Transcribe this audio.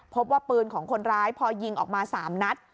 พบว่าปืนของคนร้ายพอยิงออกมา๓นัด